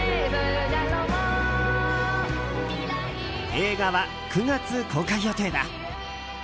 映画は９月公開予定だ。